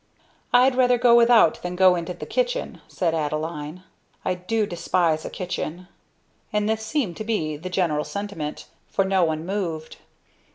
"I'd rather go without than go into the kitchen," said Adeline; "I do despise a kitchen." And this seemed to be the general sentiment; for no one moved.